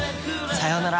さようなら。